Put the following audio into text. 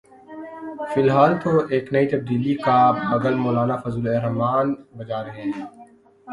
فی الحال تو ایک نئی تبدیلی کا بگل مولانا فضل الرحمان بجا رہے ہیں۔